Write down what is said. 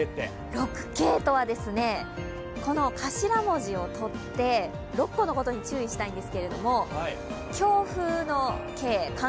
６Ｋとは頭文字をとって６個のことに注意したいんです。